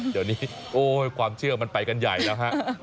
เดี๋ยวนี้โอ้ยความเชื่อมันไปกันใหญ่แล้วฮะ